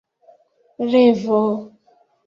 revo